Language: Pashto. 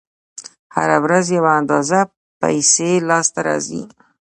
هره ورځ یوه اندازه پیسې لاس ته راځي